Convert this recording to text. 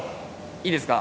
いいですか？